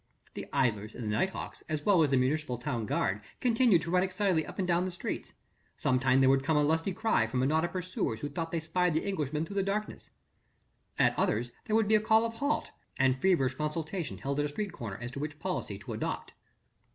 The idlers and night hawks as well as the municipal town guard continued to run excitedly up and down the streets sometimes there would come a lusty cry from a knot of pursuers who thought they spied the Englishman through the darkness, at others there would be a call of halt, and feverish consultation held at a street corner as to the best policy to adopt.